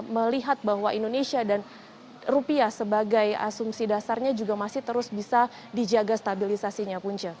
melihat bahwa indonesia dan rupiah sebagai asumsi dasarnya juga masih terus bisa dijaga stabilisasinya punca